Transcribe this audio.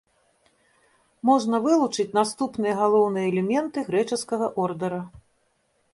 Можна вылучыць наступныя галоўныя элементы грэчаскага ордара.